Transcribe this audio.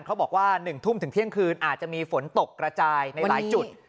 บอกว่า๑ทุ่มถึงเที่ยงคืนอาจจะมีฝนตกกระจายในหลายจุด